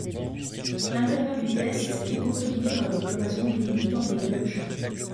L'intérieur du test est consolidé par des cloisons délimitant des loges.